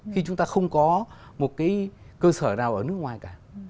khi chúng ta không có một cái cơ sở nào ở nước ngoài cả